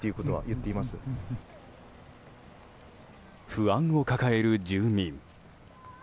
不安を抱える住民。